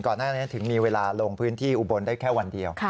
หน้านี้ถึงมีเวลาลงพื้นที่อุบลได้แค่วันเดียว